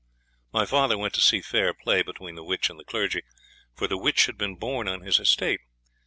My father went to see fair play between the witch and the clergy; for the witch had been born on his estate.